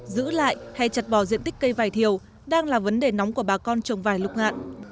giữ lại hay chặt bỏ diện tích cây vải thiều đang là vấn đề nóng của bà con trồng vải lục ngạn